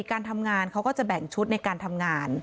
การทำงานเขาก็จะแบ่งชุดในการทำงาน